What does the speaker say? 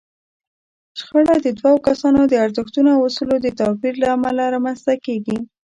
شخړه د دوو کسانو د ارزښتونو او اصولو د توپير له امله رامنځته کېږي.